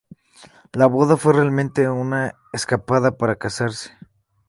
La boda fue realmente una escapada para casarse.